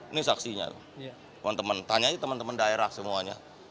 ini saksinya tuh teman teman tanya teman teman daerah semuanya